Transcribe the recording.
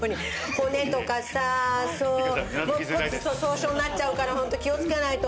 骨とかさそう骨粗しょう症になっちゃうからホント気をつけないと。